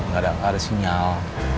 ga ada sinyal